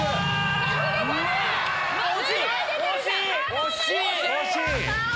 惜しい！